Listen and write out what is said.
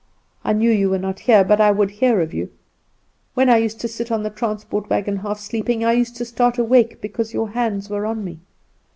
I knew you were not here, but I would hear of you. When I used to sit on the transport wagon half sleeping, I used to start awake because your hands were on me.